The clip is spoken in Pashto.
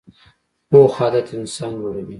پوخ عادت انسان لوړوي